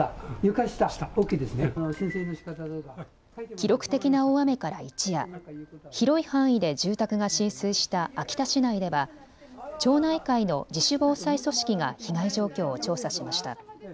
記録的な大雨から一夜、広い範囲で住宅が浸水した秋田市内では町内会の自主防災組織が被害状況を調査しました。